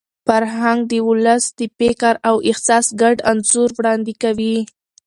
فرهنګ د ولس د فکر او احساس ګډ انځور وړاندې کوي.